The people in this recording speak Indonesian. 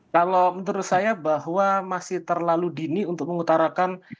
kalau menurut saya bahwa masih terlalu dini untuk mengutarakan